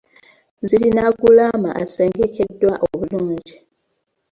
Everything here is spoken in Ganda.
Zirina ggulama asengekeddwa obulungi.